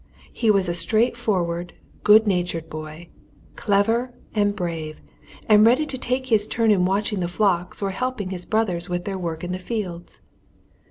He was a straightforward good natured boy, clever and brave, and ready to take his turn in watching the flocks or helping his brothers with their work in the fields.